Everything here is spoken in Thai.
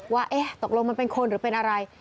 ว่าตกลงมันเป็นคนหรือเป็นอะไร